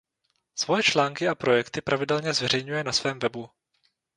Svoje články a projekty pravidelně zveřejňuje na svém webu.